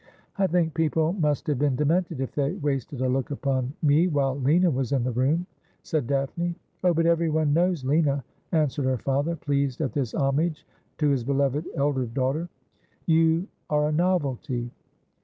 ' I think people must have been demented if they wasted a look upon me while Lina was in the room,' said Daphne. ' Oh, but every one knows Lina,' answered her father, pleased at this homage to his beloved elder daughter. ' You are a novelty.'